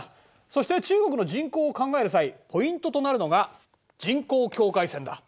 そして中国の人口を考える際ポイントとなるのが人口境界線だ。